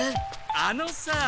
あのさ。